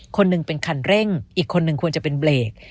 คนหนึ่งเป็นคันเร่งอีกคนนึงควรจะเป็นเบรก